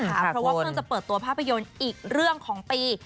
เพราะว่าเพิ่งจะเปิดตัวภาพยนตร์อีกเรื่องของปี